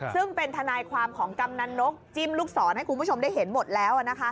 ซึ่งเป็นทนายความของกำนันนกจิ้มลูกศรให้คุณผู้ชมได้เห็นหมดแล้ว